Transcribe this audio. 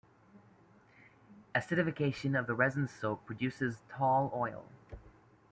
Acidification of the resin soap produces tall oil.